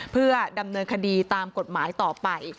เพื่อดำเนินคดีตามกฎหมายต่อไป